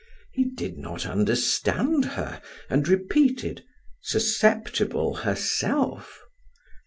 He did not understand her and repeated: "Susceptible herself?"